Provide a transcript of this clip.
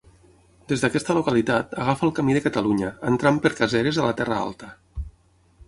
Des d'aquesta localitat, agafa el camí de Catalunya, entrant per Caseres, a la Terra Alta.